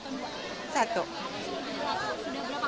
sudah berapa hari ibu di dalam